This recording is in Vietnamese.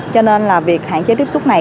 cho nên là việc hạn chế tiếp xúc này